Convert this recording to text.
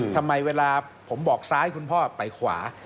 ทำไมเวลาผมบอกซ้ายคุณพ่อไปขวา